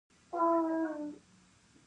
ایا زما مور ته واکسین کوئ؟